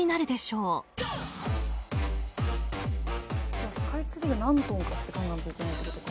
じゃあスカイツリーが何トンかって考えなきゃいけないってことか。